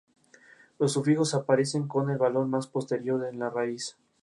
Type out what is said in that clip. Este hecho llevó a mantener el distrito en cuarentena.